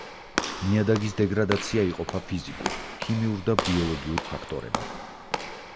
ნიადაგის დეგრადაცია იყოფა ფიზიკურ, ქიმიურ და ბიოლოგიურ ფაქტორებად.